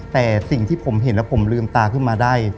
แต่สิ่งที่ผมเห็นแล้วผมลืมตาขึ้นมาได้